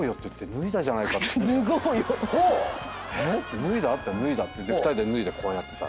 脱いだ？って言ったら２人で脱いでこうやってたって。